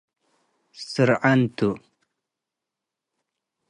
ስርዐን ቱ።